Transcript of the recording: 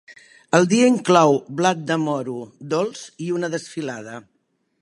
El dia inclou blat de moro dolç i una desfilada.